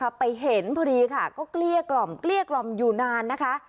พอไปเห็นพอดีค่ะก็เกลี้ยกล่อมเกลี้ยกล่อมอยู่นานนะคะ